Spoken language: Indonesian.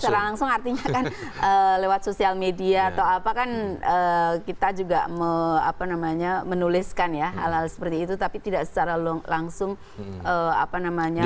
secara langsung artinya kan lewat sosial media atau apa kan kita juga menuliskan ya hal hal seperti itu tapi tidak secara langsung apa namanya